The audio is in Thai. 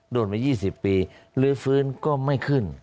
โดนมา๒๐ปีลื้อฟื้นก็ไม่ขึ้น